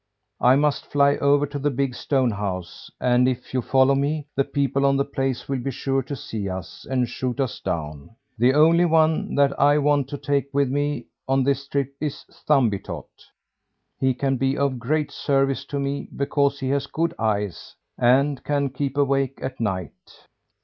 I must fly over to the big stone house, and if you follow me, the people on the place will be sure to see us, and shoot us down. The only one that I want to take with me on this trip is Thumbietot. He can be of great service to me because he has good eyes, and can keep awake at night."